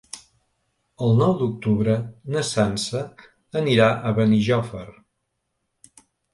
El nou d'octubre na Sança anirà a Benijòfar.